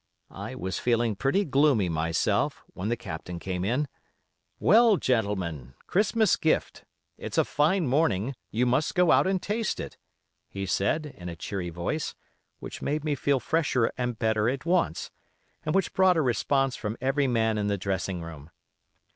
I was feeling pretty gloomy myself, when the Captain came in. 'Well, gentlemen, 'Christmas gift'; it's a fine morning, you must go out and taste it,' he said, in a cheery voice, which made me feel fresher and better at once, and which brought a response from every man in the dressing room.